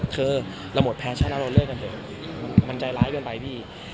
คือเราหมดแพลนใช้แล้วเราเลิกกันเถอะมันใจร้ายเกินไปพี่